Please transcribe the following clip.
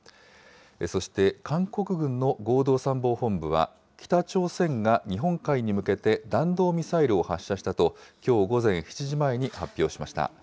そして韓国軍の合同参謀本部は、北朝鮮が日本海に向けて弾道ミサイルを発射したと、きょう午前７時前に発表しました。